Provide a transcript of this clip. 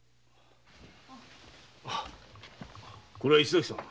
これは石崎さん。